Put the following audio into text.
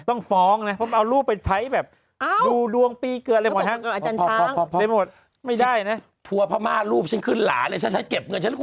ต้องฟ้องเนี้ยผมเอารูปไปใช้แบบเอาดูดวงปีเกิดอะไรหมดครับ